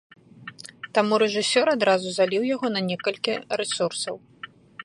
Таму рэжысёр адразу заліў яго на некалькі рэсурсаў.